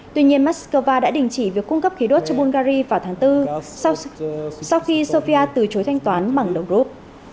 tuy nhiên moscow đã đình chỉ việc cung cấp khí đốt cho bungary vào tháng bốn sau khi sofia từ chối thanh toán bằng đồng rút